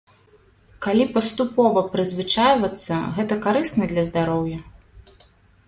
Калі паступова прызвычайвацца, гэта карысна для здароўя?